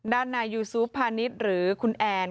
ด่านนายูซูฟพานิสหรือคุณแอน